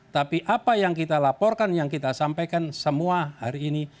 tapi apa yang kita laporkan yang kita sampaikan semua hari ini